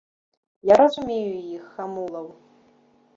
Я разумею іх, хамулаў.